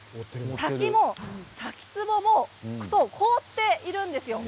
滝も滝つぼも凍っているんですよ。